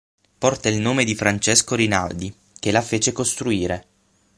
Porta il nome di Francesco Rinaldi, che la fece costruire.